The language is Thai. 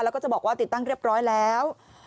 แล้วก็จะบอกว่าติดตั้งเรียบร้อยแล้ว